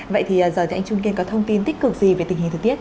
vậy thì giờ thì anh trung kiên có thông tin tích cực gì về tình hình thời tiết